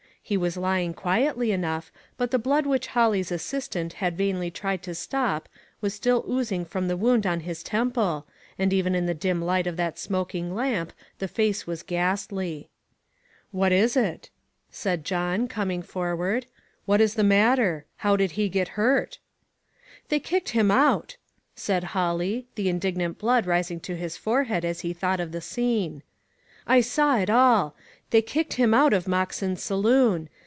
He was lying quietly enough, but the blood which Holly's assistant had 339 34° ONE COMMONPLACE DAY. vainly tried to stop was still oozing from the wound on his temple, and even in the dim light of that smoking lamp the face was gastly. " What is it ?" said John, coming forward. "What is the matter? How did he get hurt?" "They kicked him out," said Holly, the indignant blood rising to his forehead as he thought of the scene. "I saw it all. They kicked him out of Moxen's saloon.